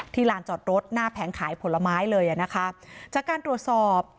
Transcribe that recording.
ลานจอดรถหน้าแผงขายผลไม้เลยอ่ะนะคะจากการตรวจสอบ